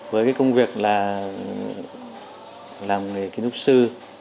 với cái công việc là làm nghề kinh tục sư